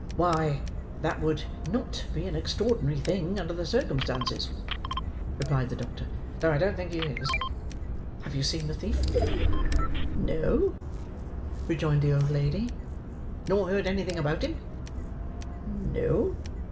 "Why, that would not be an extraordinary thing, under the circumstances," replied the doctor; "though I don't think he is. Have you seen the thief?" "No," rejoined the old lady. "Nor heard anything about him?" "No."